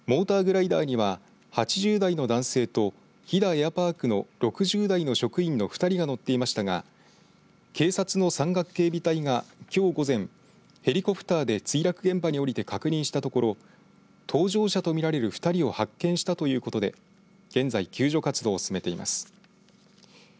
モーターグライダーには８０代の男性と飛騨エアーパークの６０代の職員の２人が乗っていましたが警察の山岳警備隊が、きょう午前ヘリコプターで墜落現場に降りて確認したところ搭乗者と見られる２人を発見したということで現在、救助活動を進めています。